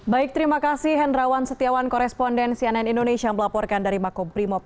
baik terima kasih hendrawan setiawan koresponden cnn indonesia yang melaporkan dari makom brimob